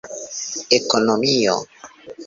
ekonomio